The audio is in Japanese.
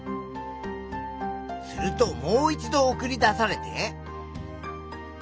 するともう一度送り出されて。